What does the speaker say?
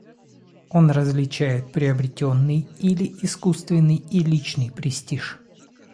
Он различает приобретенный или искусственный и личный престиж.